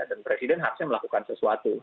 dan presiden harusnya melakukan sesuatu